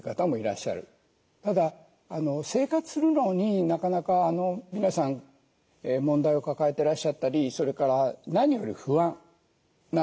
ただ生活するのになかなか皆さん問題を抱えてらっしゃったりそれから何より不安なんです。